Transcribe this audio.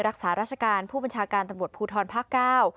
รักษาราชการผู้บัญชาการตำรวจภูทรภาคเก้า